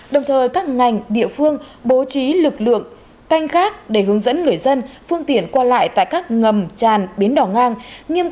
đồng thời các ngành địa phương bố trí lực lượng canh khác để hướng dẫn người dân phương tiện qua lại tại các ngầm tràn biến đỏ ngang